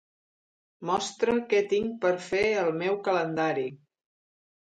Mostra què tinc per fer al meu calendari.